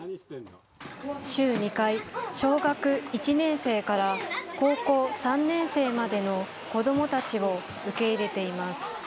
週２回、小学１年生から高校３年生までの子どもたちを受け入れています。